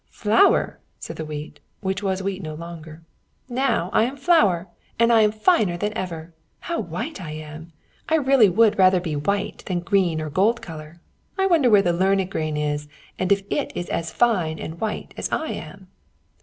"Flour!" said the wheat which was wheat no longer. "Now I am flour, and I am finer than ever. How white I am! I really would rather be white than green or gold colour. I wonder where the learned grain is, and if it is as fine and white as I am?"